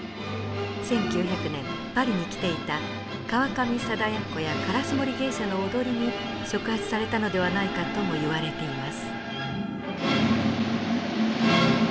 １９００年パリに来ていた川上貞奴や烏森芸者の踊りに触発されたのではないかともいわれています。